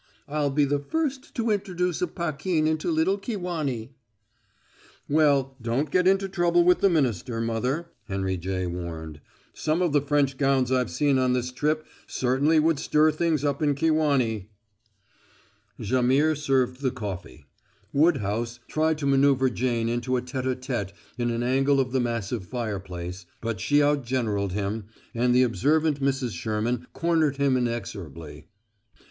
I'll be the first to introduce a Paquin into little Kewanee." "Well, don't get into trouble with the minister, mother," Henry J. warned. "Some of the French gowns I've seen on this trip certainly would stir things up in Kewanee." Jaimihr served the coffee. Woodhouse tried to maneuver Jane into a tête à tête in an angle of the massive fireplace, but she outgeneraled him, and the observant Mrs. Sherman cornered him inexorably.